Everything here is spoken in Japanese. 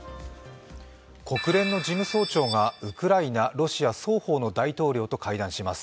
国連の事務総長がウクライナ、ロシア双方の大統領と会談します。